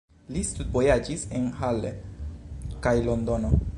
Li studvojaĝis en Halle kaj Londono.